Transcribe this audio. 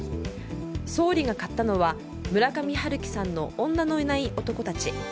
総理が買ったのは村上春樹さんの「女のいない男たち」。